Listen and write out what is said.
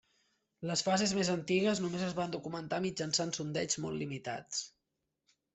Les fases més antigues només es van documentar mitjançant sondeigs molt limitats.